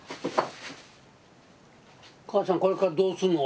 母さんこれからどうすんの？